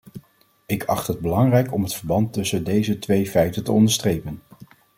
Ik acht het belangrijk om het verband tussen deze twee feiten te onderstrepen.